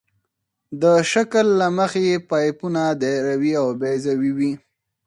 د شکل له مخې پایپونه دایروي او بیضوي وي